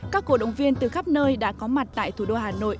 các cổ động viên từ khắp nơi đã có mặt tại thủ đô hà nội